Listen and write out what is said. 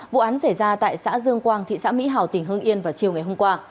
vụ án xảy ra tại xã dương quang thị xã mỹ hào tỉnh hương yên vào chiều ngày hôm qua